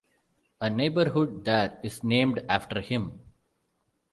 A neighborhood there is named after him.